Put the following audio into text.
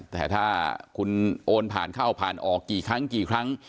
แต่ถ้าคุณโอนผ่านเข้าผ่านออกกี่ครั้งกี่ครั้ง